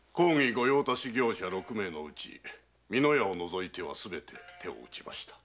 御用達業者六名のうち美濃屋を除いてはすべて手を打ちました。